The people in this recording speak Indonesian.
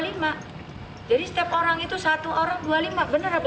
jadi setiap orang itu satu orang rp dua puluh lima juta benar apa enggak